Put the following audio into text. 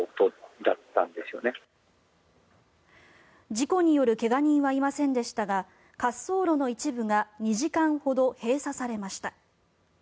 事故による怪我人はいませんでしたが滑走路の一部が２時間ほど閉鎖されました。